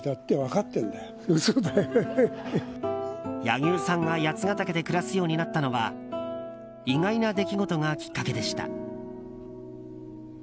柳生さんが八ケ岳で暮らすようになったのは意外な出来事がきっかけでした。